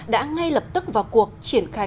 đã ngay lập tức vào cuộc triển khai